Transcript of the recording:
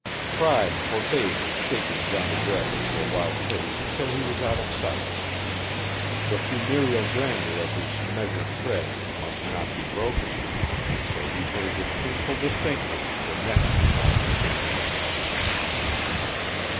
Pride forbade his shaking Johnny Reb into a wild pace until he was out of sight. The funereal grandeur of his measured tread must not be broken, and so he heard with painful distinctness the next remark of Jimmy Hancock.